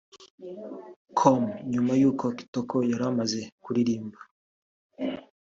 com nyuma y’uko Kitoko yari amaze kuririmba